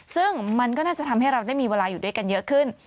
ซึ่งมันก็น่าจะทำให้เราได้มีเวลาอยู่ด้วยกันเยอะขึ้น